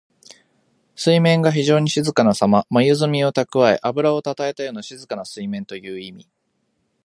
水面が非情に静かなさま。まゆずみをたくわえ、あぶらをたたえたような静かな水面という意味。